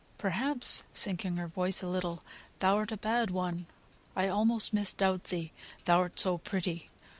Perhaps" (sinking her voice a little) "thou'rt a bad one; I almost misdoubt thee, thou'rt so pretty.